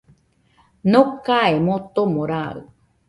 Nokae motomo raɨ,